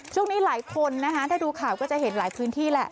ช่วงนี้หลายคนนะคะถ้าดูข่าวก็จะเห็นหลายพื้นที่แหละ